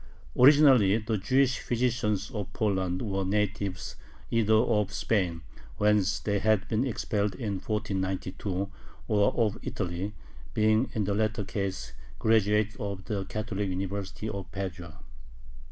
Originally the Jewish physicians of Poland were natives either of Spain, whence they had been expelled in 1492, or of Italy, being in the latter case graduates of the Catholic University of Padua.